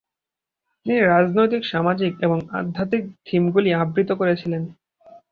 তিনি রাজনৈতিক, সামাজিক এবং আধ্যাত্মিক থিমগুলি আবৃত করেছিলেন।